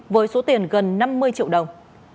với số tiền gần năm mươi triệu đồng